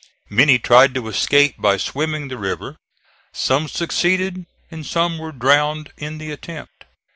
Many tried to escape by swimming the river. Some succeeded and some were drowned in the attempt.